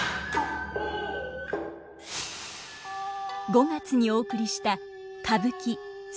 ５月にお送りした歌舞伎「須磨の写絵」。